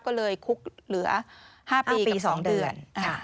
ก็เลยคุกเหลือ๕ปีปี๒เดือน